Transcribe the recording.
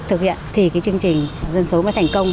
thực hiện thì cái chương trình dân số mới thành công